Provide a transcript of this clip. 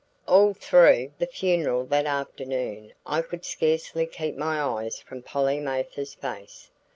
All through the funeral that afternoon I could scarcely keep my eyes from Polly Mathers's face.